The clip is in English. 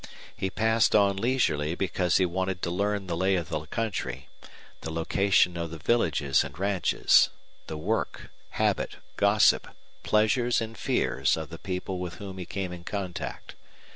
He passed on leisurely because he wanted to learn the lay of the country, the location of villages and ranches, the work, habit, gossip, pleasures, and fears of the people with whom he came in contact.